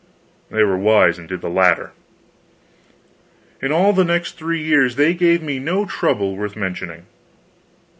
They were wise and did the latter. In all the next three years they gave me no trouble worth mentioning.